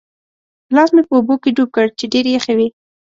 لاس مې په اوبو کې ډوب کړ چې ډېرې یخې وې.